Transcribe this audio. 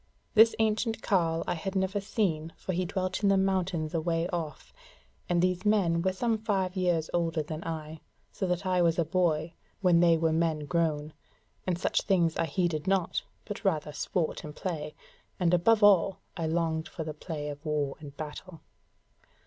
This ancient carle I had never seen, for he dwelt in the mountains a way off, and these men were some five years older than I, so that I was a boy when they were men grown; and such things I heeded not, but rather sport and play; and above all, I longed for the play of war and battle.